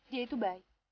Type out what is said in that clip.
dia itu baik